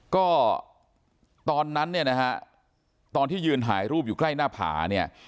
ก็ตอนนั้นเนี่ยนะฮะตอนที่ยืนถ่ายรูปอยู่ใกล้หน้าผาเนี่ย